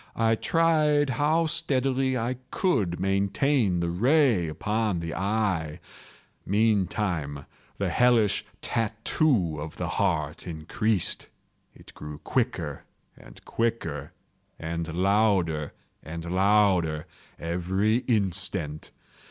I tried how steadily I could maintain the ray upon the eve. Meantime the hellish tattoo of the heart increased. It grew quicker and quicker, and louder and louder every instant.